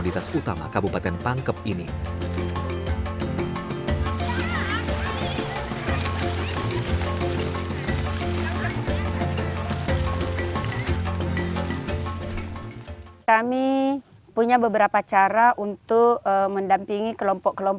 dikalah hasil tangkapan rajungan tak banyak